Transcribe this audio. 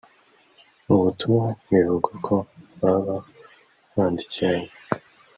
Mu butumwa bivugwa ko baba bandikiranye